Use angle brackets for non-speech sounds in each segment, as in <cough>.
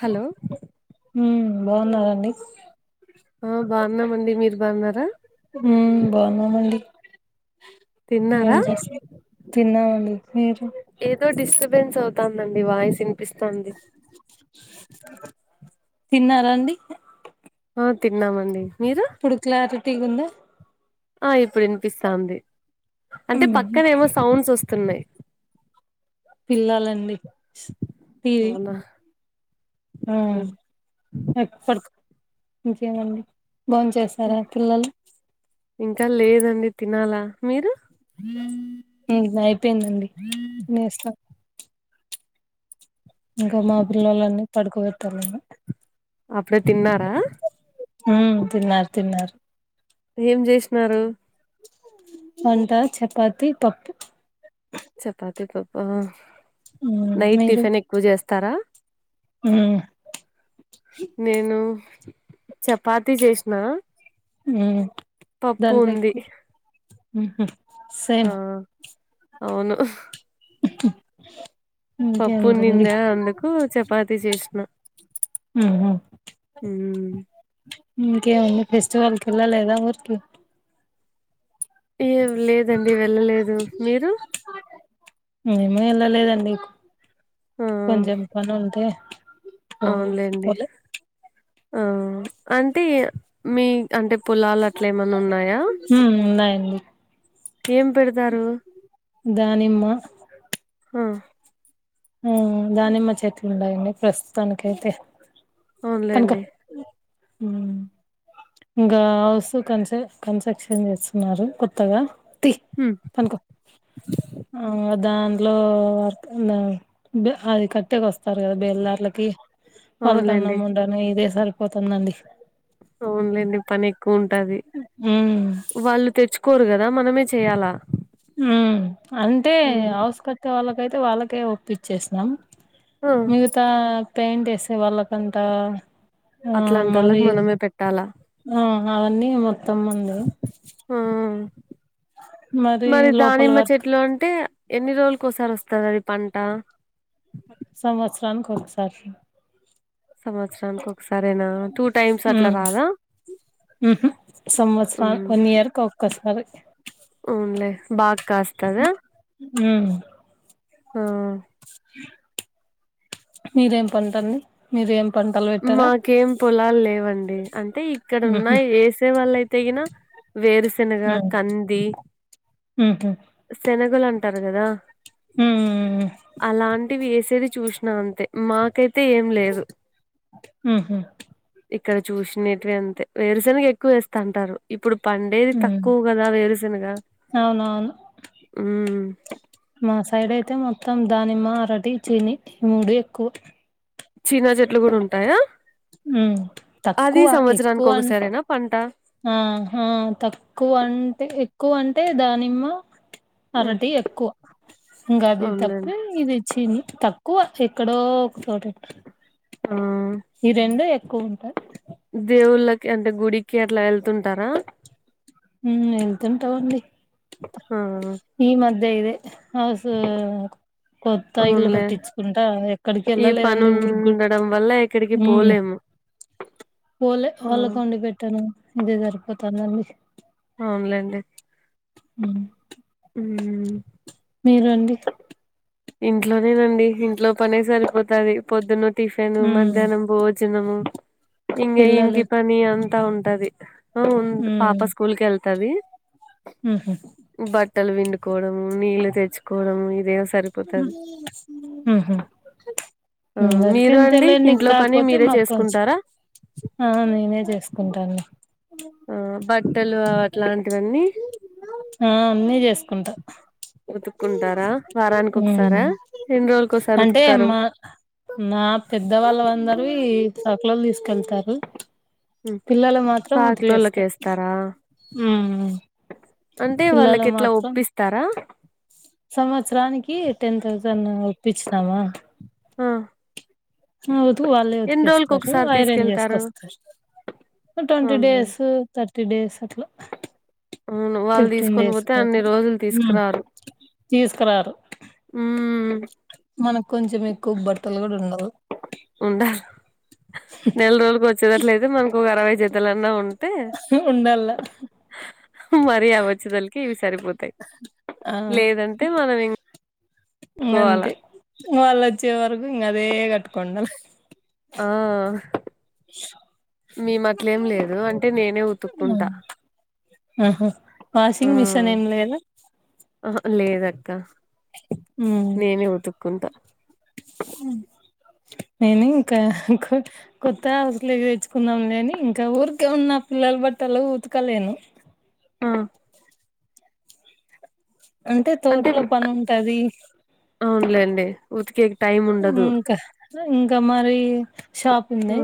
Hello ఉమ్ బాగున్నారండి ఆ బాగున్నామండి మీరు బాగున్నారా ఉమ్ బాగున్నామండి ఏం తిన్నారా చేస్తా తిన్నామండి మీరు ఏదో డిస్టబెన్స్ అవుతాందండి వాయిస్ వినిపిస్తంది తిన్నారాండి ఆ తిన్నామండి మీరు ఇప్పుడు క్లారిటీటిగా ఉందా ఆ ఇప్పుడు వినిపిస్తాంది అంటే పక్కనే ఏమో సౌండ్స్ వస్తున్నాయి పిల్లలండి ఈది అవునా ఆ ఓకే. ఇంక పడుకో ఇంకేమండి బోంచేస సరే పిల్లలు ఇంకా లేదండి తినాలా మీరు ఉ అయిపోయిందండి తినేస్తా ఇంకా మా పిల్లలన్నీ పడుకు పెట్టాలన్న అప్పుడే తిన్నారా ఉమ్ తిన్నారు తిన్నారు ఏమ్ జెసినరు వంట చపాతి పప్పు చపాతి పప్ప ఉమ్ నైట్ మీరు టిఫిన్ ఎక్కువ చేస్తారా ఉమ్ నేను చపాతి చేసిన ఉ పప్పు దాంట్లో ఉంది ఎక్కువ ఉహు ఆ సేమ్ అవును ఇప్పు పప్పు ఉండింద అందుకు చపాతి చేసిన ఉమ్ ఇంకేమండి ఫెస్టివల్కి వెళ్ళలేదా ఊరికి ఏం లేదండి వెళ్ళలేదు మీరు మేము వెళ్ళలేదండి ఆ కొంచెం పనిఉంటే అవునులేండి ఆ అంటే ఇగ మీ అంటే పొలాలు అట్లా ఏమన్న ఉన్నాయా ఉమ్ ఉన్నాయండి ఏమ్ పెడతారు దానిమ్మ హ ఉమ్ దానిమ్మ చెట్లు ఉడాయండి ప్రస్తుతానికి అయితే కనుక అవునులేండి. ఉమ్ ఇంకా హౌస్ కన్సె కన్స్ట్రక్షన్ చేస్తున్నారు కొత్తగా తి హు పనుకో ఉమ్ దాంట్లో వర్కు అది కట్టేకి వస్తారు కదా బెలర్లకి వాళ్ళకి అన్నం అవునులేండి. వండాలి ఇదే సరిపోతుందండి అవునులేండి పని ఎక్కువ ఉంటది హ్మ్ వాళ్ళు తెచ్చుకోరు కదా మనమే చెయ్యాల ఉమ్ అంటే హౌస్ కట్టే వాళ్ళకయితే వాళ్ళకే ఒప్పించ్చేస్తం ఆ మిగతా పెయింట్ వేసే వాళ్ళకంటా ఆ అట్లాంటోళ్ళకి మరి మనమే పెట్టాలా? ఆ అవన్నీ మొత్తం ఉంది ఆ మరి లోపల దానిమ్మ వర్క్ చెట్లు అంటే ఎన్ని రోలు కోసారి వస్తాదది పంట సంవత్సరానికి ఒకసారి సంవత్సరానికి ఒకసారేనా టూ టైమ్స్ అట్లా కాదా ఉహూ సంవత్సర వన్ ఇయర్ కి ఒక్కసారి అవునులే బాకాస్తదా ఆ మీదేం పంటండి మీది ఏం పంటలు పెట్టారా? మాకేం పొలాలు లేవండి అంటే ఇక్కడ ఉన్నా ఉహు వేసే వాళ్ళయితేవాళ్ళు గిన వేరుశెనగ కంది ఉహూ శనగలు అంటారు కదా హ్మ్ అలాంటివి వేసేది చూసిన అంతే మాకైతే తే ఏమ్ లేదు హ్మ్ ఇక్కడ చూసిండేటివి అంతే వేరుశనగ ఎక్కువ వేస్తంటారు ఇప్పుడు పండేది హ్మ్ తక్కువ కదా వేరుశనగ అవునవును ఉమ్ మా సైడ్ అయితే మొత్తం దానిమ్మ అరటి చీని ఈ మూడు ఎక్కువ చిన్న చెట్లు కూడ ఉంటాయా ఉమ్ అది తక్కువ ఎక్కువ సంవత్సరానికి అన్ ఒకసారేనా పంట ఆ ఆ తక్కువ అంటే ఎక్కువ అంటే దానిమ్మ ఉమ్ అరటి ఎక్కువ ఇంగ అది అవునులేండి తప్పే ఇ చిని తక్కువ ఎక్కడో ఒక చోటు ఉం <unintelligible> ఆ ఈ రెండు ఎక్కువ ఉంటాయ్ దేవుళ్ళకి అంటే గుడికి అట్ల వెళ్తుంటార ఉమ్ వెళ్తుంటామండి ఆ ఈ మధ్య ఇదే అసు కొత్త ఇల్లు అవునులే కట్టించుకుంటా ఎక్కడికి వెళ్ళ ఈ పని లేదండి <unintelligible> ఉండడం వల్ల ఎక్కడికి పోలేము పోలే ఆ వాళ్ళకి ఒండి పెట్టడం ఇదే సరిపోతానుండి అవునులేండి ఉ ఉ మీరు ఆండీ ఇంట్లోనేనండి ఇంట్లో పనే సరిపోతంది పొద్దున్న టిఫిన్ హ్మ్ మధ్యానం బో వచ్చినము ఇంగ పిల్లలు ఇంటి పని అంతా ఉంటది ఆ ఉం పాప స్కూల్కి వెళ్తది ఉహు బట్టలు విండుకోవడము నీళ్లు తెచ్చుకోవడము ఇదే సర్ ఆహ ఆ అందరికీ మీరు అండి అంతేలేండి ఇంట్లో పని కాకపోతే మీరే మా కొంచెం చేసుకుంటారా ఆ నేనే చేసుకుంట <unintelligible> ఆ బట్టలు అట్లాంటివన్నీ ఆ అన్నీ చేసుకుంట ఉతుకుంటార వారానికి ఒకసార హ్మ్ రెండు రోజులకోసారి అంటే ఉతుకుతారు మా నా పెద్ద వాళ్ళవి అందరవి <unintelligible> తీసుకెల్తారు ఉమ్. పిల్లలవి మాత్రం ఉతికేస్తా సాకులోళ్ళకేస్తారా ఉమ్ అంటే వాళ్ళకి ఎట్ల ఒప్పిస్తారా సంవత్సరానికి టెన్ న్థౌజంన్ ఒప్పించినామ ఆ ఉతికు వాళ్ళే ఎన్ని రోజులకి ఉతికేస్తారు ఒకసారి ఐరన్ తీసుకెళ్తారు చేసుకొస్తారు ట్వంటీ డేస్ అవునులేండి థర్టీ డేస్ అట్ల అవును వాళ్ళు తీసుకొని పోతే అన్ని అట్లా రోజులు ఉమ్ తీసుకురారు తీసుకురారు ఉ మనకు కొంచెం ఎక్కువ బట్టలు కూడ ఉండవ్ ఉండాలి నెల రోజులకి వచ్చేటట్లయితే మనకు ఒక అరవై చేతలన్నా ఉ ఉండల <unintelligible> సరిపోతాయి ఆ లేదంటే మనం ఇం ఇంగ అంతే వాళ్ళు వచ్చే వరకు ఇంకా అదే కట్టుకున్న ఆ మీ మట్లే ఏం లేదు అంటే నేనే ఉతుక్కుంటా ఆహా వాషింగ్ మిషిన్ ఏం లేదు ఆ లేదక్క ఉమ్ నేనే ఉతుక్కుంటా అయినా ఇంకా ఇంకోటి కొత్త హస్లే తెచ్చుకున్నాంలేని ఇంకా ఊరికే ఉన్న పిల్లలు బట్టలు ఊతకలేను ఆ అంటే తోట్లో పని ఉంటది అవునులేండి ఉతికే టైం ఉండదు ఇంకా ఇంకా మరి షాప్ ఉంది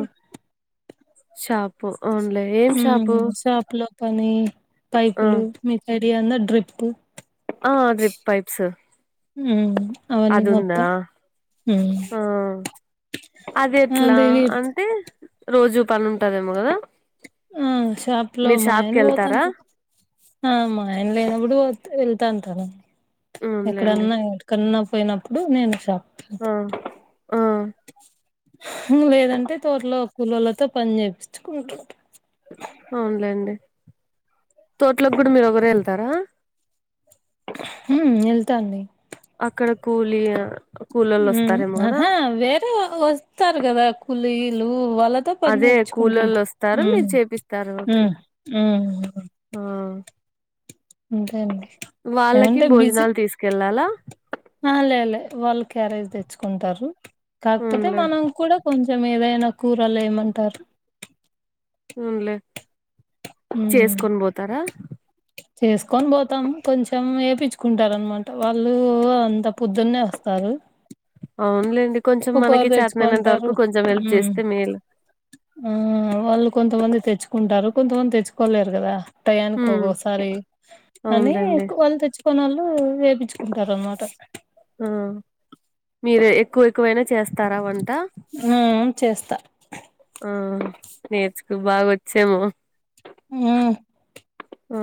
షాపు అవునులే ఏం షాపు షాప్ లో పని ఆ పైపులు మసడిఅన్న డ్రిప్ ఆ అడ్రిప్పైప్స్ ఉ అవన్నీ మొత్తం ఆ అది ఎట్లా అంటే రోజు పని ఉంటదేమో కదా ఆ షాప్ లో మీరు మా షాప్ ఆయన కి వెళ్తారా పోతంటారు ఆ మా ఆయన లేనప్పుడు వెళ్తా అంటాను అవునులేండి ఎక్కడన్నా కన్నా పోయినప్పుడు నేను షాప్ ఆ ఆ లేదంటే తోట్లో కూలొల్లతో పని చేయించుకుంటు అవునులేండి తోటలోకి కూడా మీరు ఒకరే వెళ్తారా ఉ వెళ్తాండి అక్కడ కూలి కూలోళ్ళు వస్తారేమో కదా ఆహా వేరే వస్తారు కదా కూలీలు వాళ్ల ఉకే పని అదే తప్పించుకుంటుంట కూలోళ్ళు వస్తారు మీరు చేపిస్తారు ఉ ఓకే ఉ ఉ ఆ అంతేండి వాళ్ళకి ఏమంటే భోజనాలు తీసుకెళ్ళాలా అ లేలేలే వాళ్ళు క్యారేజ్ తెచ్చుకుంటారు కాకపోతే అవునులే మనం కూడా కొంచెం ఏదైనా కూరలువేమంటారు ఉన్లే హ్మ్ చేసుకొని పోతారా చేసుకొని పోతాం కొంచెం వేపచ్చుకుంటారు అనమాట వాళ్ళు అంత పొద్దున్నే వస్ తరు అవునులేండి కొంచెం మనకి చేత ఐనంత తెచ్చుకుంటారు వరకు కొంచెం హెల్ప్ హ్మ్ చేస్తే మేల్ ఆ వాళ్ళు కొంతమంది తెచ్చుకుంటారు కొంతమంది తెచ్చుకోలేరు కాదా టయానికో ఉమ్ కోసం సరీ అని అవునులేండి వాళ్ళు తెచ్చికుని వాళ్ళు వేయిించుకుంటారు అనమాట ఆ మీరే ఎక్కువ ఎక్కువైనా చేస్తారావంట చేస్తా ఆ నేర్చుకు బాగా వచ్చేమో ఉమ్ ఆ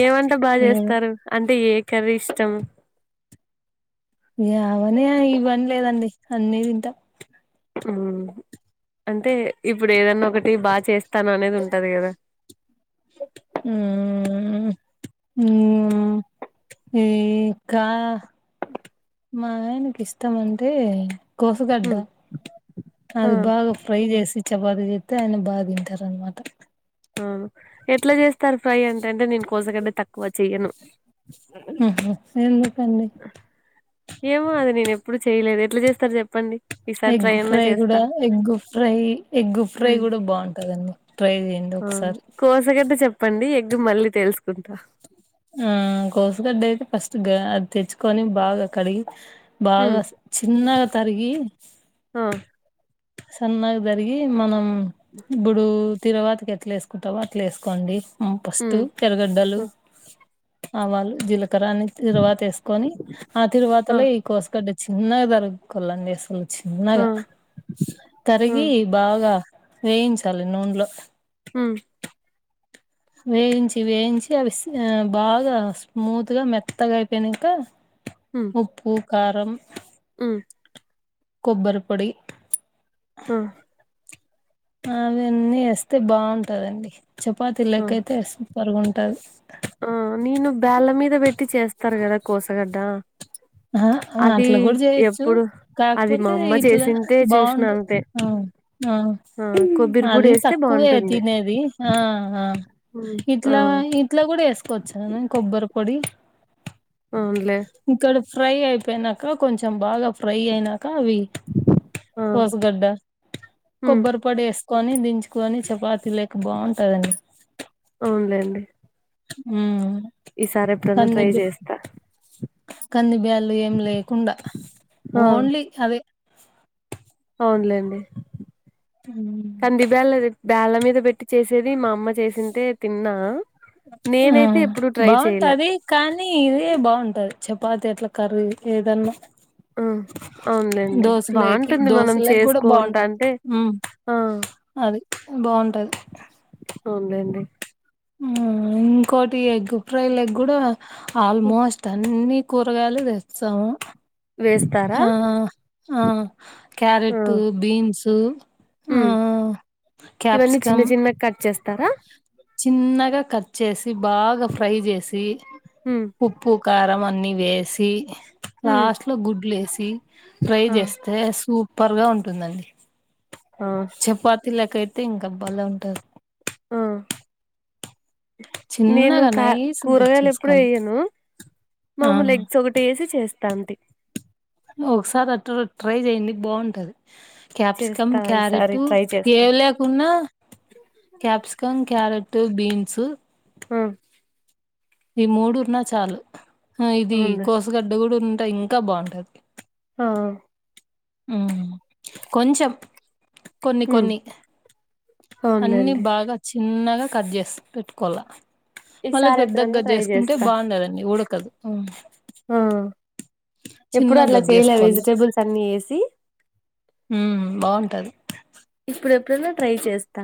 ఏమంట బాగా చేస్తారు అంటే ఏ కర్రీ ఇష్టం యావని ఇవని లేదండి అన్నీ తింటా అంటే ఇప్పుడు ఏదన్నా ఒకటి బాగా చేస్తాను అనేది ఉంటది కదా ఉ ఉ ఉ ఇంకా మా ఆయనకిస్తం అంటే కోసుగడ్డ ఉమ్ ఆ అది బాగా ఫ్రై జేసిచ్ చపాతి చేత్తె ఆయన బా తింటరనమాట ఆ ఎట్ల చేస్తరు ఫ్రై అంటంటే నేను కోసగడ్డ తక్కువ చెయ్యను ఉమ్ హ్ ఎందుకండి ఏమో అండి నేనెప్పుడు చేయలేదు ఎట్ల చేస్తరు చెప్పండి ఈసారి ఎగ్ ట్రై అన్నా ఫ్రై గూడ చేస్తా ఎగ్ ఫ్రై ఎగ్ ఫ్రై ఉమ్ కూడ బావుంటదండి ట్రై చేయండి ఆ ఒకసారి కోసగడ్డ చెప్పండి ఎగ్గు మళ్ళీ తెలుసుకుంటా ఆ కోసుగడ్డ అయితే ఫస్ట్ గా అది తెచ్చుకొని బాగా కడిగి బాగా ఉమ్ చిన్నగ తరిగి ఆ సన్నగ దరిగి మనం ఇప్పుడూ తిరవాతికి ఎట్ల ఏసుకుంటమో అట్ల ఏసుకోండి అ ఫస్ట్ ఉమ్ తెర, ఆ ఆవాలు, జీలక కరాన్ని తిరువాత ఏసుకొని ఆ ఆ తిరువాతల ఈ కోసగడ్డ చిన్నగ తరుక్కోలండి అసలు చిన్నగ ఆ తరిగి ఉమ్ బాగ వేయించాలి నూనెలో హ్మ్ వేయించి వేయించి అవి స్ బాగ స్మూత్గ మెత్తగా అయిపోయినింక హ్మ్ ఉప్పు, కారం ఉమ్ కొబ్బరి పొడి ఆ అవన్నీ ఏస్తే బాగుంటదండి ఆ చపాతీలెక్కయితే సూపర్గ ఉంటది ఆ నేను బేల్ళ మీద పెట్టి చేస్తారు గదా కోసగడ్డ ఆ అది అట్లా గూడ చేయొచ్చు ఎప్పుడు అది మా కాక్పోతే అమ్మ ఇట్లా చేసింటే చూసిన బాగుండు అంతే ఆ ఆ ఆ కొబ్బరి పొడి అది వేస్తే తక్కువే బాగుంటుంది తినేది ఆహా ఉమ్ ఆ ఇట్లా ఇట్ల కూడ ఏసుకోవచ్చు కద కొబ్బరి పొడి అవునులే ఇక్కడ ఫ్రై అయిపోయినాక కొంచెం బాగా ఫ్రై అయినా కవి ఆ కోస్గడ్డ ఉమ్ కొబ్బరిపోడేస్ కొని దించుకొని చపాతిలేకి బాగుంటదండి అవునులేండి ఉమ్ ఈసారి ఎప్పుడన్న ట్రై కంది చేస్తా కంది బ్యాడ్లు ఏం లేకుండా ఆ ఓన్లీ అవె అవునులేండి హుమ్ కంది బ్యాడ్లది బ్యాడ్ల మీద పెట్టి చేసేది మా అమ్మ చేసింటే తిన్నా ఆ నేనైతే ఎప్పుడు ట్రై చేయలే బావుంటాది కనీ ఇదే బావుంటది చపాతి అట్ల కర్రీ ఏదన్నా ఆ అవునులేండి దోసలోకి బాగుంటుంది మనం దోసలోక్కుడ చేసుకుంటా బావుంటది అంటే ఉమ్ ఆ అది బావుంటది అవున్లేండి ఇంకోటి ఎగ్ ఫ్రై లకు కూడా హ్మ్. ఆల్మోస్ట్ అన్ని కూరగాయలు తేస్తాము వేస్తారా ఆ ఆ క్యారెట్ బీన్సు ఉ ఇవన్నీ చిన్న చిన్న కట్ చేస్తారా చిన్నగా కట్ చేసి బాగా ఫ్రై చేసి ఉ ఉప్పు కారం అన్నీ వేసి ఉమ్ లాస్ట్ గుడ్లు వేసి ఫ్రై ఆ చేస్తా ఐతే సూపర్ గా ఉంటుందండి ఆ చపాతిలకైయితే ఇంకా బాలే ఉంటది ఆ నేను చిన్నగా కా నైస్ గా కట్ కూరగాయలు ఎప్పుడూ చేసుకోవాలి ఎయ్యాను ఆ మాము ఎగ్స్ ఒకటీ వేసి చేస్తాంది ఒకసారి అటుగా ట్రై చేయండి బాగుంటది క్యాప్సికం చేస్తా ఈసారి క్యారెట్ ట్రై చేస్తా ఏవలే ఉన్న క్యాప్సికం క్యారెట్ బీన్స్ ఆ ఈ మూడు ఉన్నా చాలు ఆ ఇది అవునులే కోసగడ్డ కూడా ఉంట ఇంకా బాగుంటది ఆ ఉ కొంచెం కొన్ని ఉమ్ కొన్ని అన్ని అవునులేండి బాగా చిన్నగా కట్ చేసి పెట్టుకోవాల మళ్ళీ ఈసారి పెద్ద ఎప్పుడన్నా గా ట్రై చేసుకుంటే చేస్తా బాగుండదండి ఉడకదు ఆ ఎప్పుడు చిన్నగా అలా కట్ చేయలే చేసుకోవాలి వెజిటబుల్స్ అన్ని వేసి ఉ బాగుంటది ఇప్పుడుఎప్పుడైనా ట్రై చేస్తా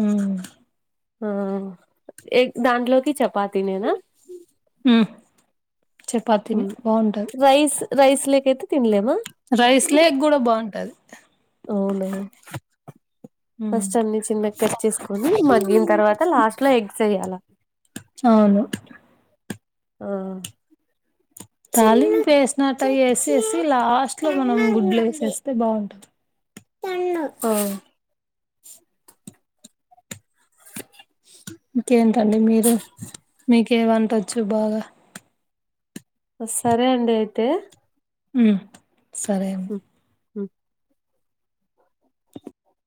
ఉ ఆ ఎగ్ దాంట్లోకి చపాతి నేనా ఉ రైస్ రైస్లేకైతే తినలేమా రైస్ లేఎగ్ కూడా బాగుంటది అవునా ఉమ్ ఫస్ట్ అన్ని చిన్నగా కట్ చేసుకొని మగ్గిన తర్వాత లాస్ట్ ఎట్లా ఎగ్ ఎయ్యాల అవును ఆ తలింపు వేసినట్టటు వేసేసి లాస్ట్ లో మనం. గుడ్లు వేస్తే బాగుంటది తెన్ను ఆ ఇంకేంటండి మీరు మీకేం వంటవచ్చు బాగా సరే అండి అయితే ఉ సరేం ఉ హు